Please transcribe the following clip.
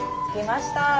着きました。